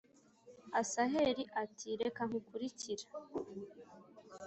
asaheli ati reka kunkurikira